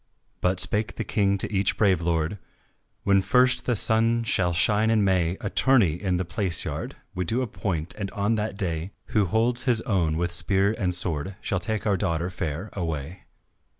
But spake the King to each brave lord, "When first the sun shall shine in May A tourney in the palace yard We do appoint, and on that day Who holds his own with spear and sword Shall take our daughter fair away."